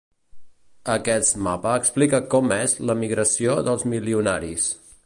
Aquest mapa explica com és l’emigració dels milionaris.